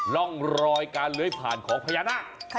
ร่องรอยการเลื้อยผ่านของพญานาค